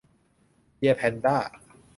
เบียร์แพนด้า !